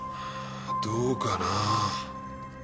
どうかな？